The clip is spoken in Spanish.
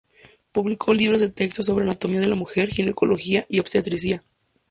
Publicó libros de texto sobre anatomía de la mujer, ginecología y obstetricia.